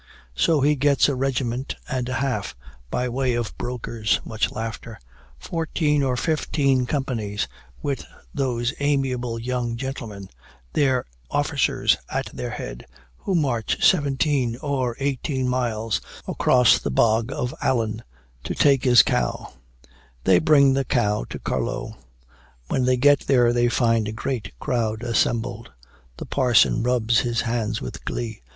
So he gets a regiment and a half, by way of brokers (much laughter) fourteen or fifteen companies, with those amiable young gentlemen, their officers, at their head, who march seventeen or eighteen miles across the Bog of Allen to take his cow; they bring the cow to Carlow; when they get there, they find a great crowd assembled; the parson rubs his hands with glee.